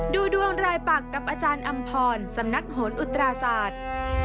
ดูดวงรายปักกับอาจารย์อำพรสำนักโหนอุตราศาสตร์